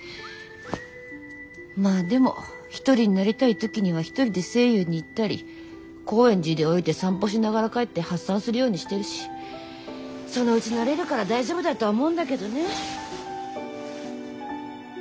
まぁでも一人になりたい時には一人で西友に行ったり高円寺で降りて散歩しながら帰って発散するようにしてるしそのうち慣れるから大丈夫だとは思うんだけどね。